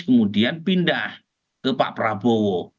kemudian pindah ke pak prabowo